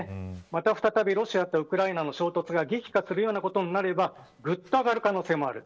再び、ロシアとウクライナの衝突が激化するなことになればぐっと上がる可能性もある。